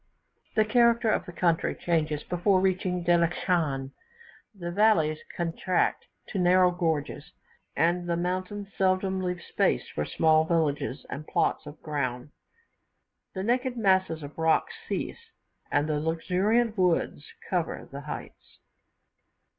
The character of the country changes before reaching Delischan: the valleys contract to narrow gorges, and the mountains seldom leave space for small villages and plots of ground. The naked masses of rock cease, and luxuriant woods cover the heights.